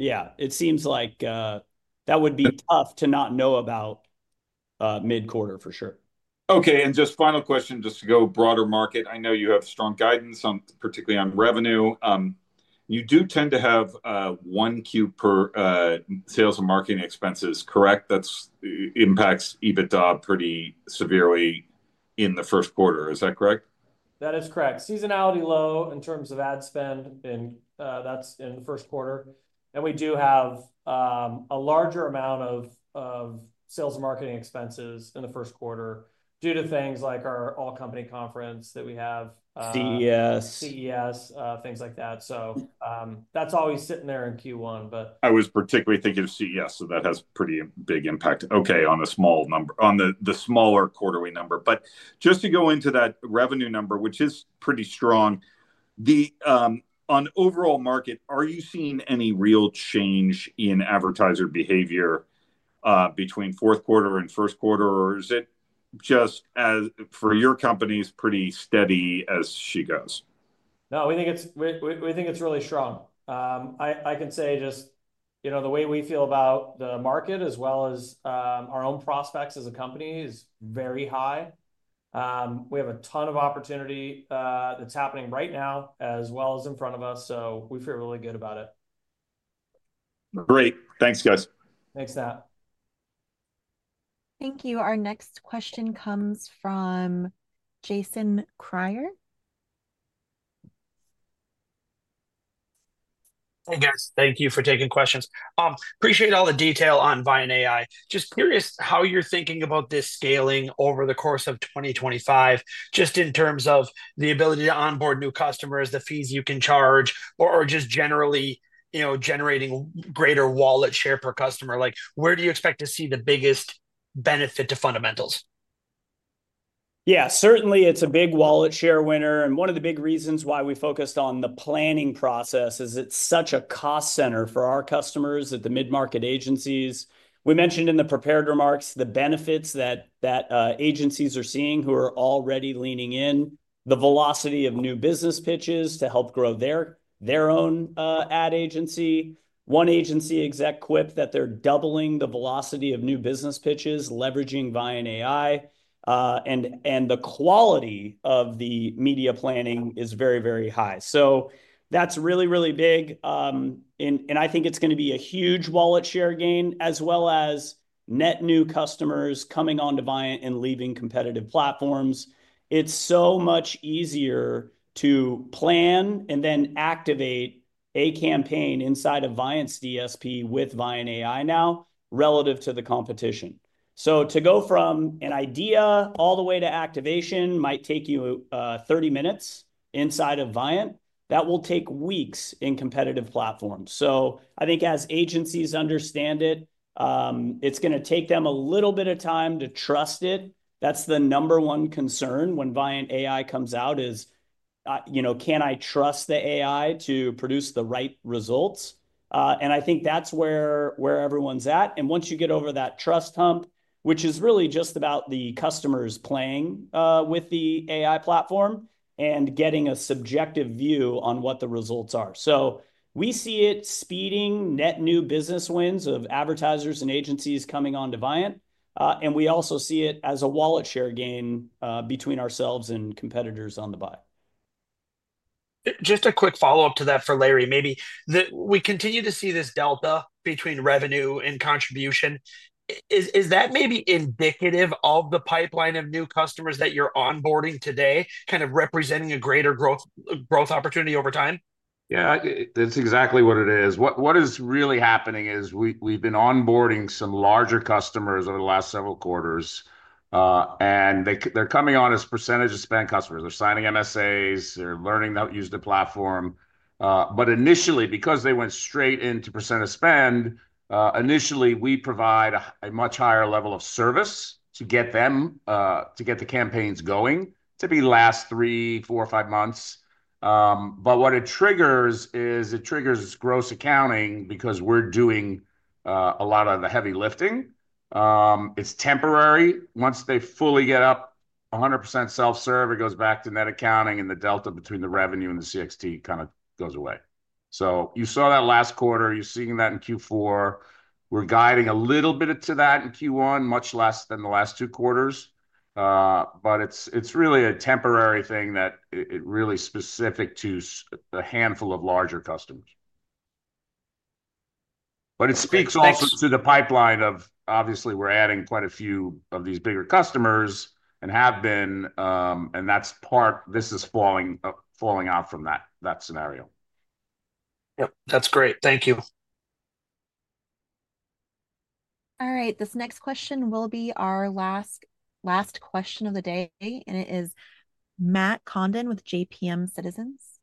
Yeah, it seems like that would be tough to not know about mid-quarter for sure. Okay. Just final question, just to go broader market. I know you have strong guidance, particularly on revenue. You do tend to have one 1Q per sales and marketing expenses, correct? That impacts EBITDA pretty severely in the first quarter. Is that correct? That is correct. Seasonality low in terms of ad spend, and that's in the first quarter. We do have a larger amount of sales and marketing expenses in the first quarter due to things like our all-company conference that we have. CES. CES, things like that. That's always sitting there in Q1, but. I was particularly thinking of CES, so that has a pretty big impact, okay, on the small number, on the smaller quarterly number. Just to go into that revenue number, which is pretty strong, on overall market, are you seeing any real change in advertiser behavior between fourth quarter and first quarter, or is it just for your companies pretty steady as she goes? No, we think it's really strong. I can say just the way we feel about the market as well as our own prospects as a company is very high. We have a ton of opportunity that's happening right now as well as in front of us. We feel really good about it. Great. Thanks, guys. Thanks, Nat. Thank you. Our next question comes from Jason Kreyer. Hey, guys. Thank you for taking questions. Appreciate all the detail on ViantAI. Just curious how you're thinking about this scaling over the course of 2025, just in terms of the ability to onboard new customers, the fees you can charge, or just generally generating greater wallet share per customer. Where do you expect to see the biggest benefit to fundamentals? Yeah, certainly it's a big wallet share winner. One of the big reasons why we focused on the planning process is it's such a cost center for our customers at the mid-market agencies. We mentioned in the prepared remarks the benefits that agencies are seeing who are already leaning in, the velocity of new business pitches to help grow their own ad agency. One agency exec quipped that they're doubling the velocity of new business pitches, leveraging ViantAI. The quality of the media planning is very, very high. That is really, really big. I think it's going to be a huge wallet share gain as well as net new customers coming on to Viant and leaving competitive platforms. It's so much easier to plan and then activate a campaign inside of Viant's DSP with ViantAI now relative to the competition. To go from an idea all the way to activation might take you 30 minutes inside of Viant. That will take weeks in competitive platforms. I think as agencies understand it, it's going to take them a little bit of time to trust it. That's the number one concern when ViantAI comes out is, can I trust the AI to produce the right results? I think that's where everyone's at. Once you get over that trust hump, which is really just about the customers playing with the AI platform and getting a subjective view on what the results are. We see it speeding net new business wins of advertisers and agencies coming on to Viant. We also see it as a wallet share gain between ourselves and competitors on the buy. Just a quick follow-up to that for Larry, maybe that we continue to see this delta between revenue and contribution. Is that maybe indicative of the pipeline of new customers that you're onboarding today, kind of representing a greater growth opportunity over time? Yeah, that's exactly what it is. What is really happening is we've been onboarding some larger customers over the last several quarters. They're coming on as percentage of spend customers. They're signing MSAs. They're learning how to use the platform. Initially, because they went straight into percent of spend, initially, we provide a much higher level of service to get them to get the campaigns going to be last three, four, five months. What it triggers is it triggers gross accounting because we're doing a lot of the heavy lifting. It's temporary. Once they fully get up 100% self-serve, it goes back to net accounting and the delta between the revenue and the CXT kind of goes away. You saw that last quarter. You're seeing that in Q4. We're guiding a little bit to that in Q1, much less than the last two quarters. It's really a temporary thing that is really specific to a handful of larger customers. It speaks also to the pipeline of, obviously, we're adding quite a few of these bigger customers and have been. That's part this is falling off from that scenario. Yep. That's great. Thank you. All right. This next question will be our last question of the day. It is Matt Condon with Citizens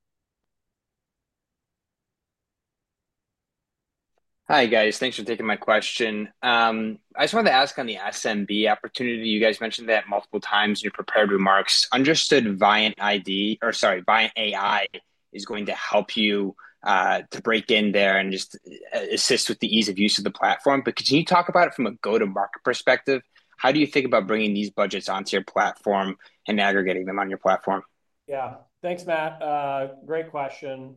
JMP. Hi, guys. Thanks for taking my question. I just wanted to ask on the SMB opportunity. You guys mentioned that multiple times in your prepared remarks, understood ViantAI is going to help you to break in there and just assist with the ease of use of the platform. Could you talk about it from a go-to-market perspective? How do you think about bringing these budgets onto your platform and aggregating them on your platform? Yeah. Thanks, Matt. Great question.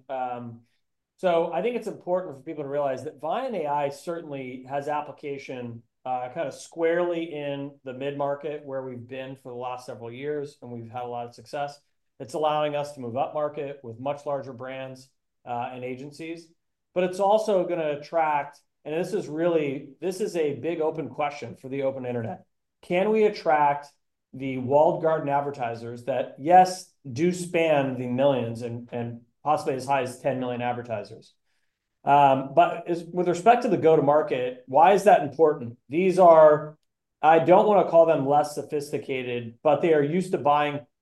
I think it's important for people to realize that ViantAI certainly has application kind of squarely in the mid-market where we've been for the last several years, and we've had a lot of success. It's allowing us to move up market with much larger brands and agencies. It's also going to attract, and this is really a big open question for the open internet. Can we attract the walled garden advertisers that, yes, do span the millions and possibly as high as 10 million advertisers? With respect to the go-to-market, why is that important? These are, I don't want to call them less sophisticated, but they are used to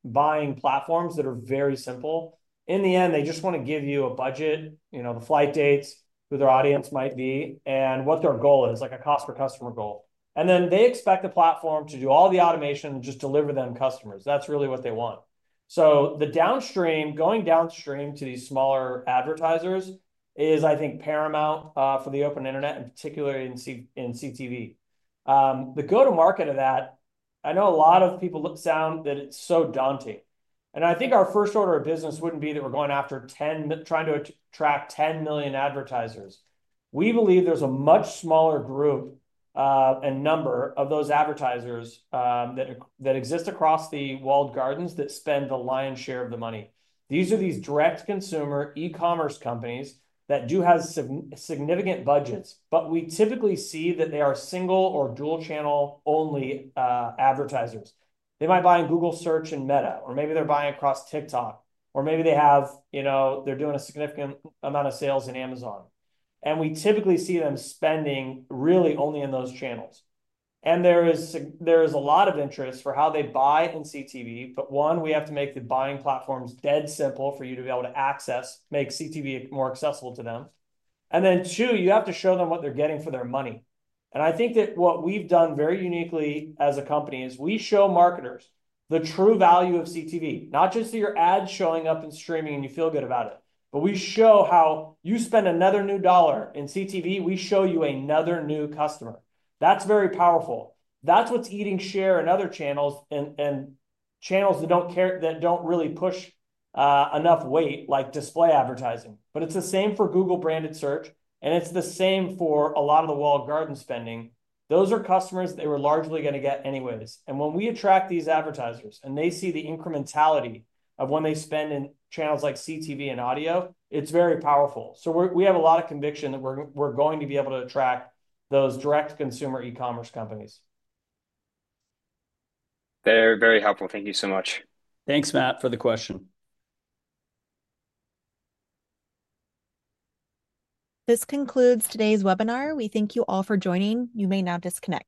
buying platforms that are very simple. In the end, they just want to give you a budget, the flight dates, who their audience might be, and what their goal is, like a cost per customer goal. They expect the platform to do all the automation and just deliver them customers. That's really what they want. Going downstream to these smaller advertisers is, I think, paramount for the open internet, in particular, in CTV. The go-to-market of that, I know a lot of people sound that it's so daunting. I think our first order of business wouldn't be that we're going after 10, trying to attract 10 million advertisers. We believe there's a much smaller group and number of those advertisers that exist across the walled gardens that spend the lion's share of the money. These are these direct consumer e-commerce companies that do have significant budgets. We typically see that they are single or dual-channel only advertisers. They might buy in Google Search and Meta, or maybe they're buying across TikTok, or maybe they have they're doing a significant amount of sales in Amazon. We typically see them spending really only in those channels. There is a lot of interest for how they buy in CTV. One, we have to make the buying platforms dead simple for you to be able to access, make CTV more accessible to them. Two, you have to show them what they're getting for their money. I think that what we've done very uniquely as a company is we show marketers the true value of CTV, not just your ads showing up and streaming and you feel good about it, but we show how you spend another new dollar in CTV, we show you another new customer. That's very powerful. That's what's eating share in other channels and channels that don't really push enough weight like display advertising. It's the same for Google-branded search, and it's the same for a lot of the walled garden spending. Those are customers they were largely going to get anyways. When we attract these advertisers and they see the incrementality of when they spend in channels like CTV and audio, it's very powerful. We have a lot of conviction that we're going to be able to attract those direct consumer e-commerce companies. Very, very helpful. Thank you so much. Thanks, Matt, for the question. This concludes today's webinar. We thank you all for joining. You may now disconnect.